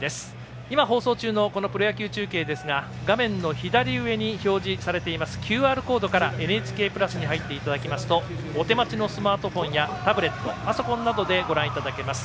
今、放送中のプロ野球中継ですが画面の左上に表示されているＱＲコードからＮＨＫプラスに入っていただきますとお手持ちのスマートフォンやタブレット、パソコンなどでご覧いただけます。